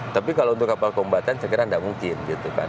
tapi kalau untuk kapal kombatan saya kira tidak mungkin gitu kan